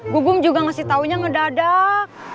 gubum juga ngasih taunya ngedadak